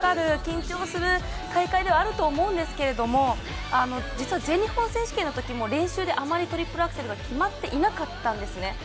プレッシャーのかかる緊張する大会ではあると思うんですけれども実は全日本選手権のときも練習であまりトリプルアクセルが決まっていなかったんですね。